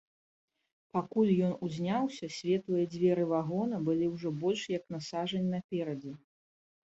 Пакуль ён узняўся, светлыя дзверы вагона былі ўжо больш як на сажань наперадзе.